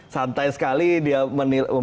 santai sekali dia memberikan